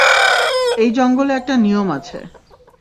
এই জঙ্গলে একটা নিয়ম আছে।